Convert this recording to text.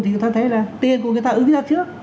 thì người ta thấy là tiền của người ta ứng ra trước